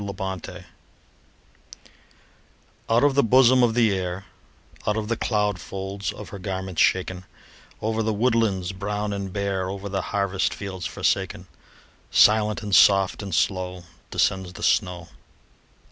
SNOW FLAKES Out of the bosom of the Air, Out of the cloud folds of her garments shaken, Over the woodlands brown and bare, Over the harvest fields forsaken, Silent, and soft, and slow Descends the snow.